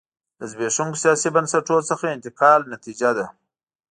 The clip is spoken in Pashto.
له زبېښونکو سیاسي بنسټونو څخه انتقال نتیجه ده.